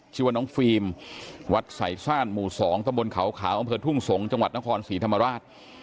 ชื่อว่าน้องฟิล์มวัดใส่ซ่านหมู่๒ตะบนเขาขาวอำเภอทุ่งสงศ์จังหวัดนครศรีธรรมราช